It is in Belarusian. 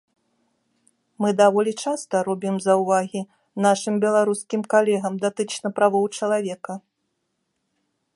Мы даволі часта робім заўвагі нашым беларускім калегам датычна правоў чалавека.